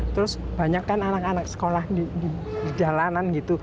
terus banyak kan anak anak sekolah di jalanan gitu